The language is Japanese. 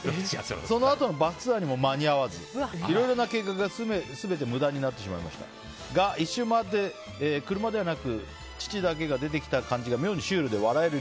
そのあとのバスツアーにも間に合わずいろいろな計画が全て無駄になってしまいましたがが、１周回って車ではなく父だけが出てきた感じが妙にシュールで笑える